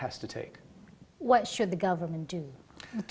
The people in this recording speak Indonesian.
apa yang harus dilakukan pemerintah